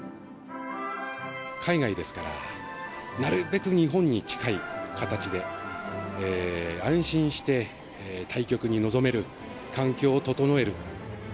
海外ですから、なるべく日本に近い形で、安心して対局に臨める環境を整える。